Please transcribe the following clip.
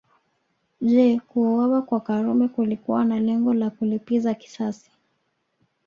Je kuuawa kwa Karume kulikuwa na lengo la kulipiza kisasi